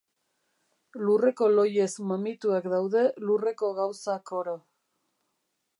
Lurreko lohiez mamituak daude lurreko gauzak oro.